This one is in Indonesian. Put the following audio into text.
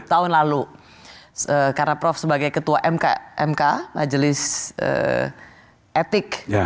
tahun lalu karena prof sebagai ketua mk majelis etik